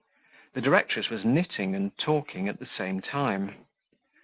The directress was knitting and talking at the same time.